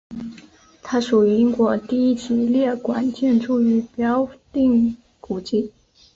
它属于英国第一级列管建筑与表定古迹。